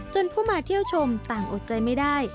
ผู้มาเที่ยวชมต่างอดใจไม่ได้